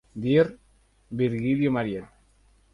Dir: Virgilio Mariel.